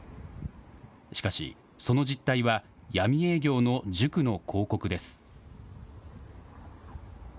しかし、その実態は闇営業の塾の広告です。